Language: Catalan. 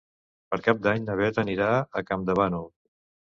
Per Cap d'Any na Bet anirà a Campdevànol.